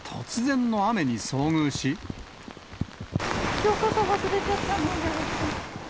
きょう傘忘れちゃったので。